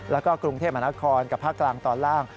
แล้วก็กรุงเทพมหานครกับภาคกลางตอนล่าง